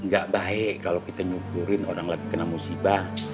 gak baik kalau kita nyukurin orang lagi kena musibah